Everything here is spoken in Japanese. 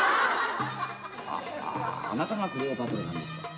はっはあなたがクレオパトラなんですか。